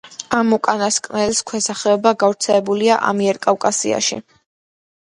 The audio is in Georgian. ამ უკანასკნელის ქვესახეობა გავრცელებულია ამიერკავკასიაში.